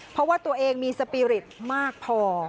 เพราะว่าตัวเองมีสปีริตมากพอ